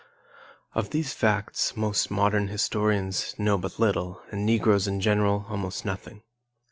Of these facts most modern historians know but little and Negroes in general almost nothing.